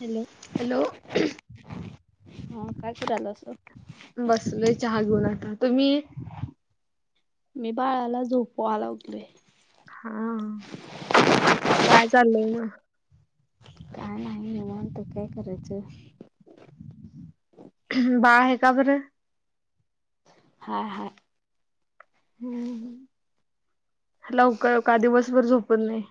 Hello. Hello. हा काय करायलं असं बसलोय चहा घेऊन आता. तुम्ही? मी बाळाला झोपवाला उठले. हा काय चाललंय म? काय नाही निवांत, काय करायचं. बाळ आहे का बरं? हाय हाय. हो हो लवकर का दिवसभर झोपत नाही?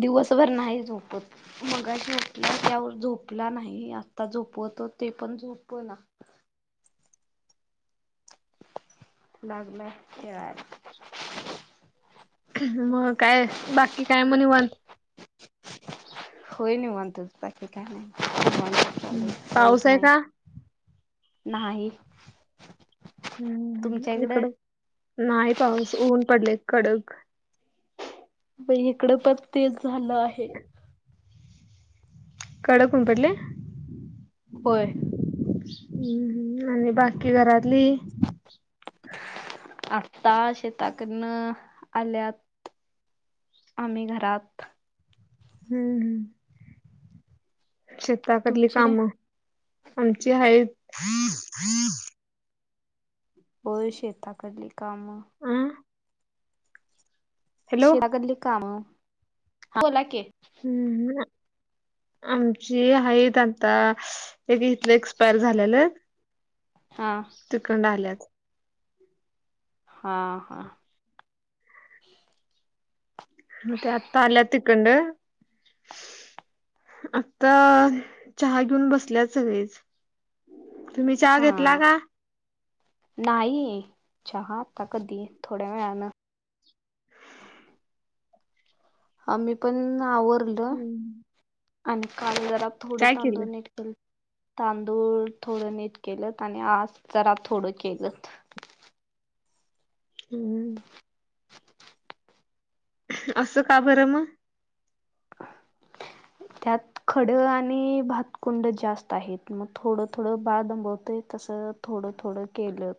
दिवसभर नाही झोपत. मगाशी उठलाय त्यावर झोपला नाही, आता झोपवतो ते पण झोप ना. लागलाऊ खेळायला. हम्म, मग काय बाकी काय मग निवांत. होय निवांतच, बाकी काही नाहीच. निवांत चालू आहे पाऊस आहे नाही. का नाहही हम्म हम्म. इकडं नाही पाऊस ऊन पडलंय कडक. मग हिकडं पण तेच झालं आहे. [inaudible] कडक ऊन पडलंय? होय. हम्म हम्म आणि बाकी घरातली? आत्ता शेताकडनं आल्यात आम्ही घरात. हम्म हम्म. शेताकडली तुमचे कामं आमची हाईत. होय शेताकडली कामं. अं हॅलो [unintelligible] काम, हा बोला की. हम्म ना आमची आहेत आता ते इथलं एक्सपायर झालेलं हां. तिकंड आल्यात. हा हा. ते आता आल्या ते कंडं आता चहा घेऊन बसल्याच सगळीच. तुम्ही चहा हा घेतला का? नाही, चहा आत्ता कधी थोड्या वेळानं. आम्ही पण आवरलं. हम्म. आम्ही काल जरा थोडं काय केलं तांदूळ नीट केलं. तांदूळ थोडं नीट केलं आणि आस जरा थोडं केलं. हम्म. असं का बरं मग? [inaudible] त्यात खडं आणि भातकुंड जास्त आहेत मग थोडं थोडं बाळ दंबवत तसं. थोडं थोडं केलं.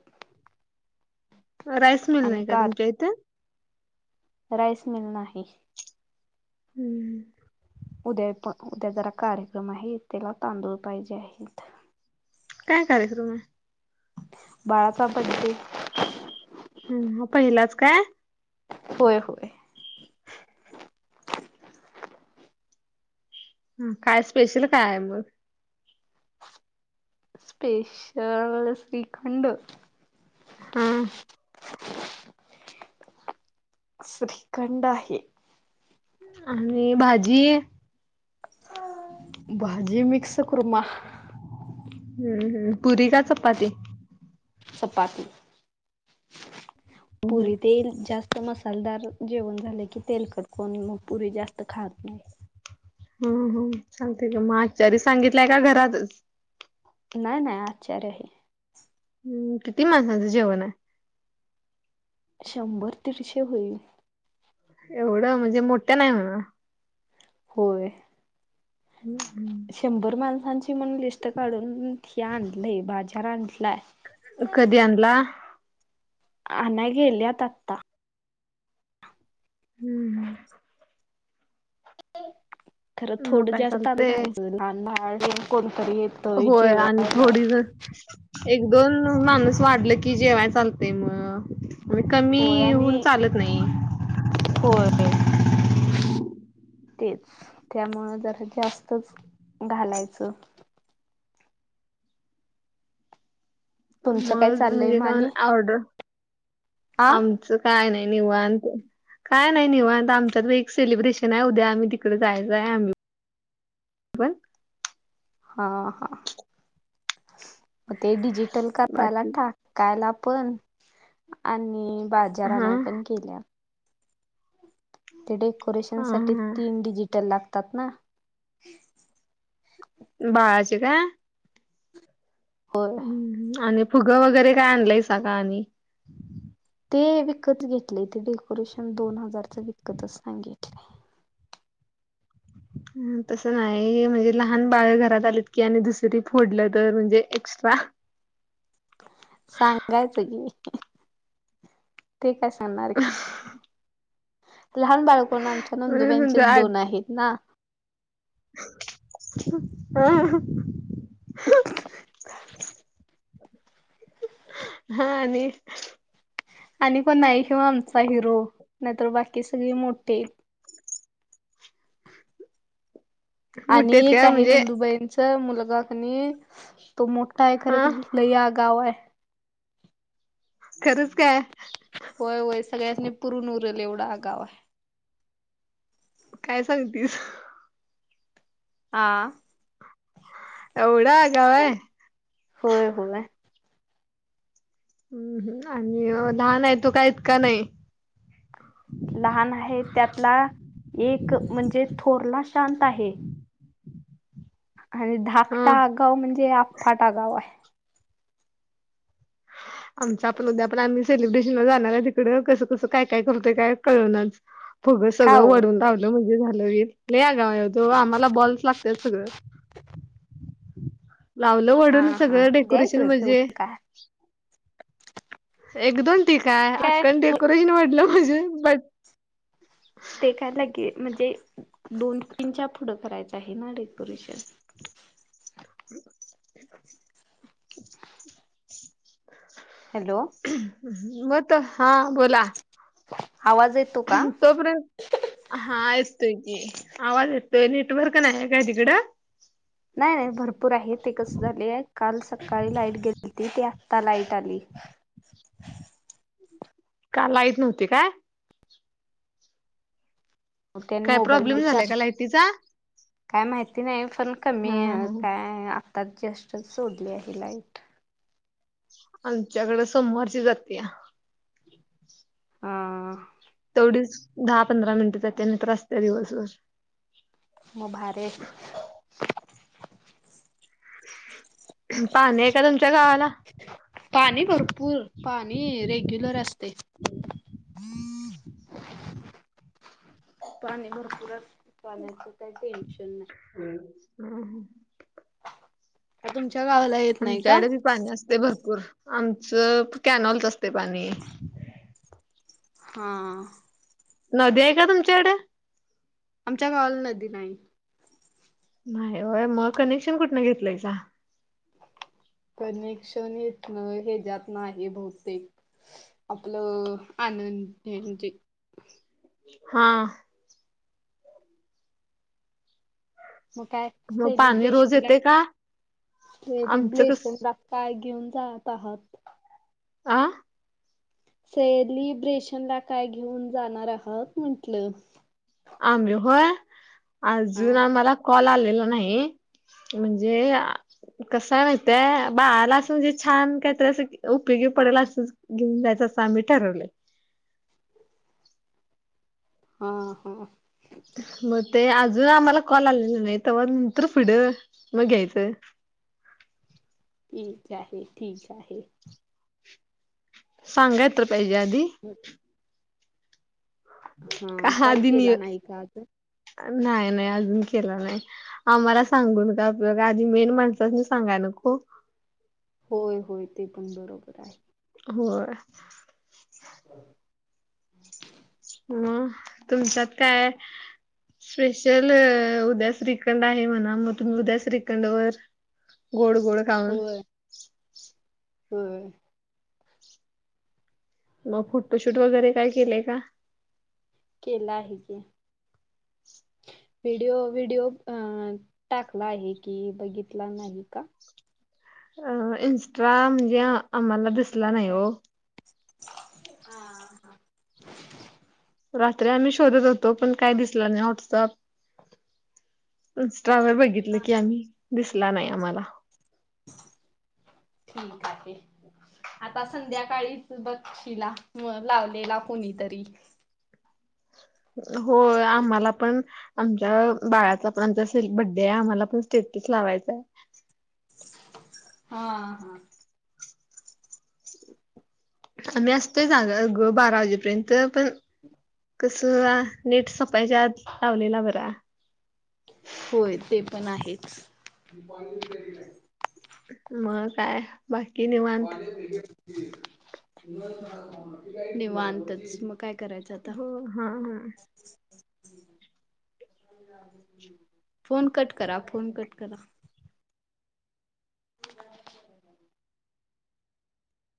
राईस मिल आणि नाही का कार तुमच्या इथे? राईस मिल नाही. हम्म. उद्या पण उद्या जरा कार्यक्रम आहे त्याला तांदूळ पाहिजे आहेत. काय कार्यक्रम आहे. बाळाचा बर्थडे. ह पहिलाच काय? होय होय. ह काय स्पेशल काय मग? स्पेशल श्रीखंड हा. श्रीखंड आहे. आणि भाजी. भाजी मिक्स कुर्मा. हम्म हम्म पुरी का चपाती? चपाती हम्म पुरी तेल जास्त‌. तर मसालदार जेवण झाले की तेल कटकून मग पुरी जास्त खात नाही. हम्म हम्म सांगते का म आचारी सांगितलंय का घरातच? नाही नाही आचारी आहे. हम्म किती माणसांचं जेवण आहे? शंभर तीडशे होईल. एवढं म्हणजे मोठ्या नाही म्हणा. होय. हम् हम्. शंभर माणसांची मण लिस्ट काढून हे आणलंय बाजार आणलाय. कधी आणला? आणाया गेलेत आत्ता. हम्म हम्. खरं मग थोडं काय जास्त ताडू चालतंय खायचं लहान [unintelligible] कोणीतरी. होय आण. थोडी ज एक दोन माणूस वाढल की जेवाय चालते म. ओय कमी होय येऊन आणि चालत नाही. होय. तेच त्यामुळं जरा जास्तच घालायचं. तुमचं काय मज चाललंय म्हणजे म का न आणि ऑर्डर आ आमचं काय नाय निवांत. काय नाही निवांत आमच्या तर एक सेलिब्रेशन आहे उद्या आम्ही तिकडे जायचंय आम्ही पण हा हा. मग ते डिजिटल करायला बाकी टा कायला पण आणि हा बाजारान पण केल्या. ते डेकोरेशन हा साठी हा तीन डिजिटल लागतात ना. बाळाचे काय होर हम्म, आणि फुगं वगैरे काय आणलायसा का आणि? ते विकत घेतले ते डेकोरेशन दोन हजारचं विकतच सगितले ह तसं नाही म्हणजे लहान बाळ घरात आलेत की आणि दुसरी फोडलं तर म्हणजे एक्स्ट्रा सांगायचं की ठीक आहे नाकी लहान बाळकोूनम छानुनदुब्यांचेच दोन आहेत ना [unintelligible] हा आणि आणि कोण नाही घिऊ आमचा हिरो नाहीतर बाकी सगळी मोटे मोठे आणि आहेत एक काय आहे म्हणजे नंदुबाईंच मुलगा कनी तो मोठा आहे खर हा लगावा आहे खरंच काय होय होय सगळ्यांचस नी पुरून उरल एवढं गाव आहे काय सांगतीस? हां एवढा गाव आहे होय होय हम्म हम आणि लहान आहे तो का इतका नाही लहान आहे त्यातला एक म्हणजे थोरला शांत आहे आणि धाकटा हा आगाव म्हणजे अप्फाट गाव आहे आमच आपण उद्या आपण आम्ही सेलिब्रेशनला जाणार तिकडं. कसं कसं, काय काय करतोय काय कळनाच. फगं का सगळ ओ वरून धवलं म्हजे झालं ल लई आगाव आहे ओ तो आम्हाला बॉल्स लागत सगळं लावलो हा वडून हा सगळं डेकोरेशन द्यायचं म्हणजे तेवढं काय एक दोन ठिकाय काय अखंड थो डेकोरेशन ल म्हंटल्यावर म्हझे ब ते काय लागेल म्हणजे दोन तीनच्यार पुढं करायचं आहे ना डेकोरेशन [unintelligible] [inaudible] [inaudible] हॅलो. मगत हा बोला आवाज येत तोपर्यंत हा एतोय की, आवाज येतोय नेटवर्क नाही काय तिकडं नाही नाही भरपूर आहे ते कस झाले काल सकाळी लाईट गेली त ती आता लाईट आली का लाईट नव्हती काय? मग त्यानी काय मोबाईल प्रॉब्लेम मग झालाय चार्ज का लायटीचा काय माहिती नाही पण कमी हा हा काय अ आता, जस्टचं सोडली आहे लाईट. आमच्याकडे सोमवारची जातेया हां तेवढीच दहा पंधरा मिनिटात टि वी तर असते दिवसभरात मग भारी हाय की. पाणी आहे का तुमच्या गावाला पाणी भरपूर पाणी रेग्युलर असतेय. [inaudible] पाणी भरपूर असतं पाण्याचं काही टेन्शन नाही. [unintelligible] का तुमच्या गावाला येत नाही का? ते भरपूर आमचं कॅनॉलचं असते पाणी. हां. नदी आहे का तुमच्याकड? आमच्या गावाला नदी नाही. नाही होय म कनेक्शन कुठनं घेतलायसा? कनेक्शन येत नाय हे जात नाय हे बहुतेक आपपल अनी. हां. म काय मग पाणी रोज सेलीब्रेशनला येते का आमचं कस सेलिब्लेशनला. काय घेऊन जात आहात? आह. सेलिब्रेशनला काय घेऊन जाणार आहात म्हंटलं? आंमबल होय हा अजून आम्हाला कॉल आलेला नाही. म्हणजे. कसय माहितय बाळाला असं म्हणजे छान कायत असं उपयोगी पडेल असंच. घेऊन जायचं सा ठरवले. हां हां. म ते अजून आम्हाला कॉल आलेला नाही तेव्हा नंतर पुढं मग घ्यायचं. ठीक आहे ठीक आहे. सांगायचं होत हजय आधी. हो. हा कॉल केला नाही का आता? नाय नाय अजून केला नाय. आम्हाला सांगून काय उपयोग आहे आधी मेन माणसानी सांगाय नको. होय होय ते पण बरोबर आहे. होय. म तुमच्यात काय स्पेशल उद्या श्रीखंड आहे म्हणा म तुम्ही उद्या श्रीखंड वर गोड गोड खाऊन. बरं. मग फोटोशूट वगैरे काय केलंय का? केला आहे की. [inaudible] व्हिडिओ व्हिडिओ अ टाकला आहे की बघितला नाही का? अ इन्स्ट्रा म्हणजे आम्हाला दिसला नाही ओ. हा हा. रात्री आम्ही शोधत होतो पण काय दिसला नाही वॉट्सअप. इन्स्टावर बघितलं हा की आम्ही दिसला नाही आम्हाला. ठीक आहे. आता संध्याकाळीच बक्षीला म लावलेला कोणीतरी. होय आम्हाला पण आमच्या बाळाचा पण आमचं सेली बड्डे आहे आम्हाला पण स्टेटस लावायच आहे. हा हा. आम्ही असतोय जागं बारा वाजेपर्यंत पण कसं नेट सपायच्या आत लावलेला बरा. होय ते पण आहेच. म काय बाकी निवात. निवांतच मग काय करायचं आता? हो हा हा. फोन कट करा, फोन कट करा. [inaudible]